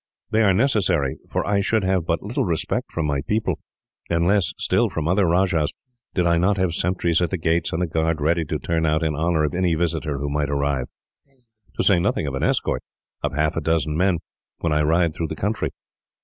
They are necessary; for I should have but little respect from my people, and less still from other rajahs, did I not have sentries at the gates, and a guard ready to turn out in honour of any visitor who might arrive; to say nothing of an escort, of half a dozen men, when I ride through the country.